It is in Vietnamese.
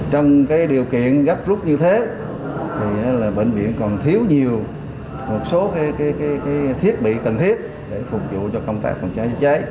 trong điều kiện gấp rút như thế bệnh viện còn thiếu nhiều một số thiết bị cần thiết để phục vụ cho công tác phòng cháy chữa cháy